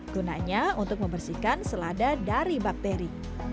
gunanya untuk membersihkan selada dari bakteri